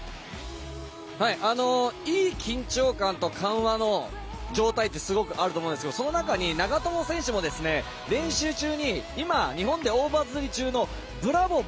いい緊張感と緩和の状態ってすごくあると思うんですけどその中に長友選手も練習中に今、日本で大バズり中のブラボー！